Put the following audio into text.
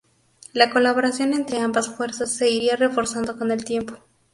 La colaboración entre ambas fuerzas se iría reforzando con el tiempo.